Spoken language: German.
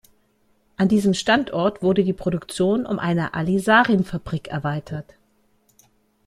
An diesem Standort wurde die Produktion um eine Alizarin-Fabrik erweitert.